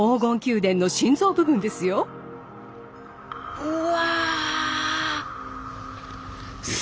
うわ！